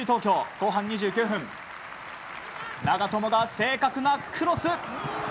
後半２９分、長友が正確なクロス。